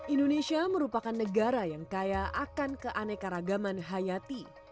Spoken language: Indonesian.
indonesia merupakan negara yang kaya akan keanekaragaman hayati